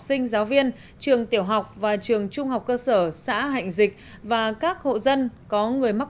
sinh giáo viên trường tiểu học và trường trung học cơ sở xã hạnh dịch và các hộ dân có người mắc